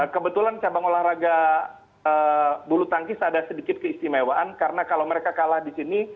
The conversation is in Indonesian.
kebetulan cabang olahraga bulu tangkis ada sedikit keistimewaan karena kalau mereka kalah di sini